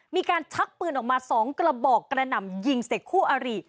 มีการชักปืนออกมา๒กระบอกกระดานำยิงเสกคู่อารีย์